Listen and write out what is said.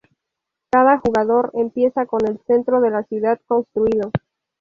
Cada jugador empieza con el Centro de la ciudad construido.